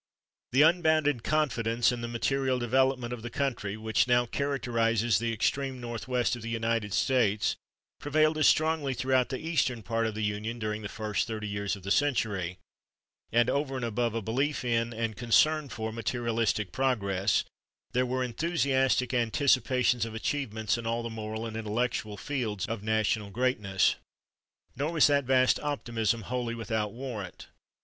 The unbounded confidence in the material development of the country which now characterizes the extreme northwest of the United States prevailed as strongly throughout the eastern part of the Union during the first thirty years of the century; and over and above a belief in, and concern for, materialistic progress, there were enthusiastic anticipations of achievements in all the moral and intellectual fields of national [Pg071] greatness." Nor was that vast optimism wholly without warrant.